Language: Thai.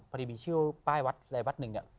พอที่มีชื่อป้ายวัดใดวัดหนึ่ง